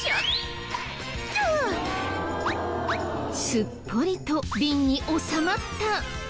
すっぽりと瓶に収まった。